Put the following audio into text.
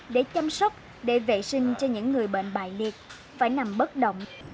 để chăm sóc để vệ sinh cho những người bệnh bại liệt phải nằm bất động